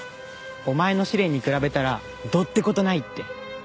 お前の試練に比べたらどうって事ないって。